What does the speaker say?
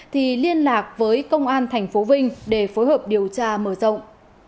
thì liên lạc với công an thành phố vinh để phối hợp điều tra mở rộng